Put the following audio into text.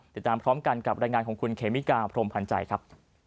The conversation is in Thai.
ติดตามพร้อมกันกับรายงานของคุณเคมิกาพรมพันธ์ใจครับ